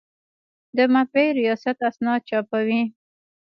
د مطبعې ریاست اسناد چاپوي